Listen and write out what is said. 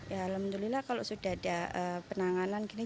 ya alhamdulillah kalau sudah ada penanganan gini